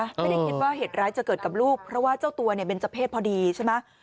ไม่ได้คิดว่าเหตุร้ายจะเกิดกับลูกเพราะว่าเจ้าตัวเนี่ยเบนเจอร์เพศพอดีใช่ไหม